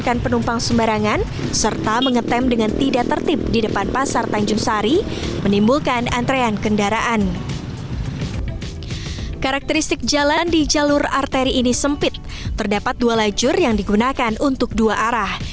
karakteristik jalan di jalur arteri ini sempit terdapat dua lajur yang digunakan untuk dua arah